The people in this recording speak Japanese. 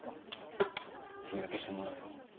日焼けしてもらうよ。